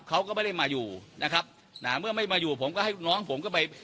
เขาก็ไม่ได้มาอยู่นะครับนะเมื่อไม่มาอยู่ผมก็ให้ลูกน้องผมก็ไป